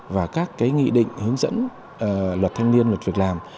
và các nghị định hướng dẫn luật thanh niên luật việc làm